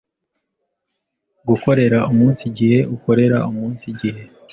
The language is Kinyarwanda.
Gukorera umunsi gihe ukorera umunsi gihe